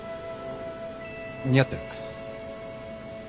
似合ってる。